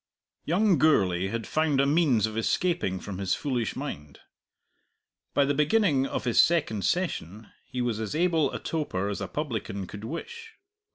Young Gourlay had found a means of escaping from his foolish mind. By the beginning of his second session he was as able a toper as a publican could wish.